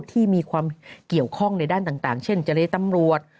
ที่มีความเกี่ยวข้องในด้านต่างเช่นเจรตำรวจ